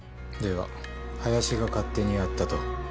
では林が勝手にやったと？